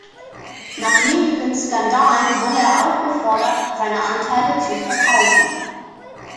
Nach mehreren Skandalen wurde er aufgefordert seine Anteile zu verkaufen.